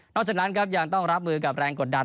จากนั้นครับยังต้องรับมือกับแรงกดดัน